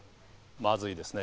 まずいですね。